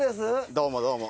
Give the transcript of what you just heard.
どうもどうも。